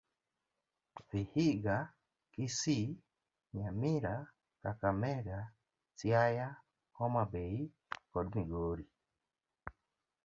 Vihiga, Kisii, Nyamira, Kakamega, Siaya, Homabay kod Migori.